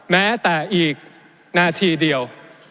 แม้แต่อีกนาทีเดียว